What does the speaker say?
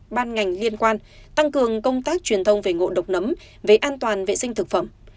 ban ngành liên quan tăng cường công tác truyền thông về ngộ độc nấm về an toàn vệ sinh thực phẩm